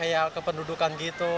kayak kependudukan gitu